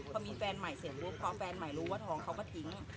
พอมีแฟนใหม่เสร็จปุ๊บพอแฟนใหม่รู้ว่าท้องเขาก็ทิ้ง